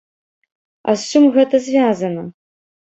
А з чым гэта звязана?